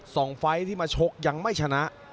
ไฟล์ที่มาชกยังไม่ชนะ